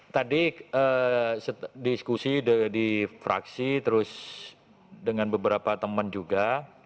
tadi diskusi di fraksi terus dengan beberapa teman juga